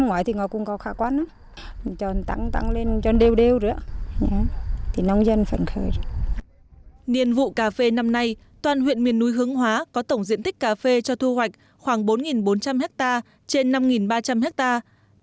niên vụ cà phê năm nay toàn huyện miền núi hướng hóa có tổng diện tích cà phê cho thu hoạch khoảng bốn bốn trăm linh hectare trên năm ba trăm linh hectare